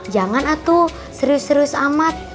jangan atuh serius serius amat